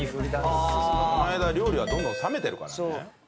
この間料理はどんどん冷めてるからね。